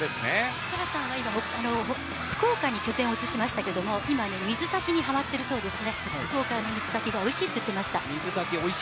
設楽さんは今、福岡に拠点を移しましたけど今、水炊きにはまってるそうですね福岡の水炊きがおいしいと言っていました。